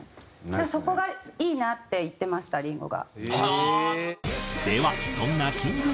「そこがいいな」って言ってました林檎が。